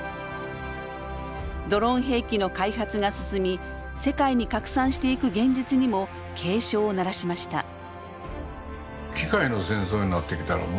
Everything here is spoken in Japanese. ドローン兵器の開発が進み世界に拡散していく現実にも警鐘を鳴らしました。